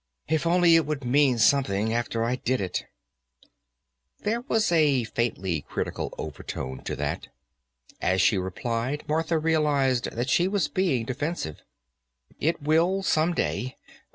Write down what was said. "If only it would mean something, after I did it." There could be a faintly critical overtone to that. As she replied, Martha realized that she was being defensive. "It will, some day.